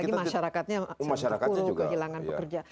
karena kita sudah berpuluh kehilangan pekerja